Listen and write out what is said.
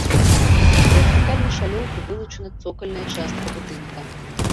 Вертыкальнай шалёўкай вылучана цокальная частка будынка.